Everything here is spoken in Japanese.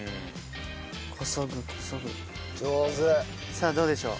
さあどうでしょう？